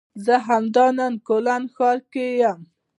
زه همدا نن کولن ښار کې یم